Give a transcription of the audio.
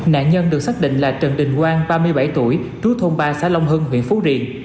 nạn nhân được xác định là trần đình quang ba mươi bảy tuổi trú thôn ba xã long hưng huyện phú riềng